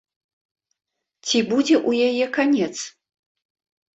Ці будзе ў яе канец?